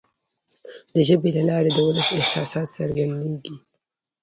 د ژبي له لارې د ولس احساسات څرګندیږي.